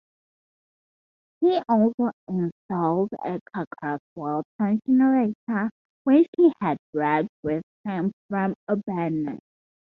He also installed a Cockcroft-Walton generator, which he had brought with him from Urbana.